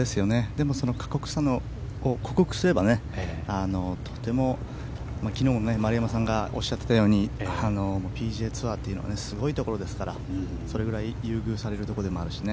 でもその過酷さを克服すれば、とても昨日、丸山さんがおっしゃっていたようにＰＧＡツアーはすごいところですからそれぐらい優遇されますからね